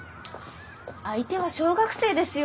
相手は小学生ですよ。